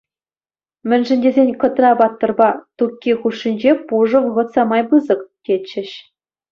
Мӗншӗн тесен Кӑтра-паттӑрпа Тукки хушшинче пушӑ вӑхӑт самай пысӑк, тетчӗҫ.